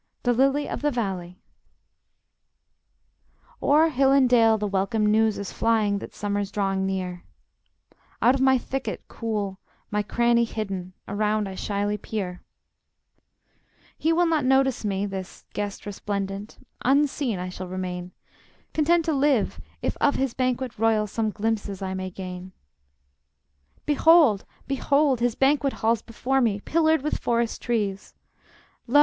THE LILY OF THE VALLEY O'er hill and dale the welcome news is flying That summer's drawing near; Out of my thicket cool, my cranny hidden, Around I shyly peer. He will not notice me, this guest resplendent, Unseen I shall remain, Content to live if of his banquet royal Some glimpses I may gain. Behold! Behold! His banquet hall's before me, Pillared with forest trees; Lo!